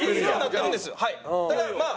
ただまあ